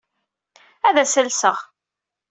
Ad as-alseɣ.